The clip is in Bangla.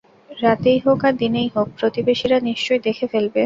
রাতেই হোক আর দিনেই হোক, প্রতিবেশীরা নিশ্চয়ই দেখে ফেলবে।